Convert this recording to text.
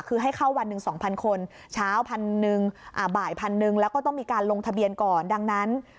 คือให้เข้าวันหนึ่ง๒๐๐๐คน